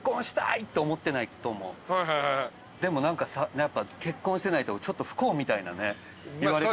でも何かやっぱ結婚してないとちょっと不幸みたいなね言われ方。